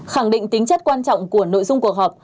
khẳng định tính chất quan trọng của nội dung cuộc họp